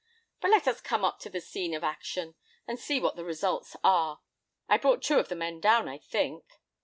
But let us come up to the scene of action, and see what the results are. I brought two of the men down, I think."